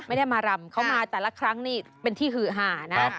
ไม่ได้มารำเขามาแต่ละครั้งนี่เป็นที่หือหานะ